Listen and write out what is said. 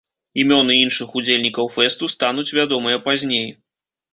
Імёны іншых удзельнікаў фэсту стануць вядомыя пазней.